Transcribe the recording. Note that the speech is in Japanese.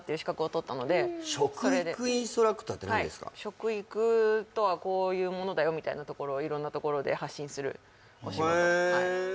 食育とはこういうものだよみたいなところを色んなところで発信するお仕事へえ